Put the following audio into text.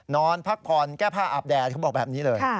นอนพักผ่อนแก้ผ้าอาบแดดเขาบอกแบบนี้เลย